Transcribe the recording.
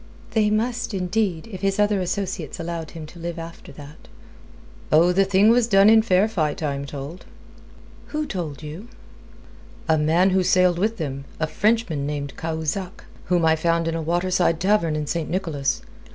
"They must, indeed, if his other associates allowed him to live after that." "Oh, the thing was done in fair fight, I am told." "Who told you?" "A man who sailed with them, a Frenchman named Cahusac, whom I found in a waterside tavern in St. Nicholas.